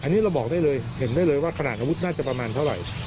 อันนี้เราบอกได้เลยเห็นได้เลยว่าขนาดอาวุธน่าจะประมาณเท่าไหร่